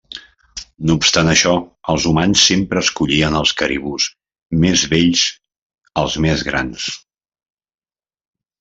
No obstant això, els humans sempre escollien els caribús més bells, els més grans.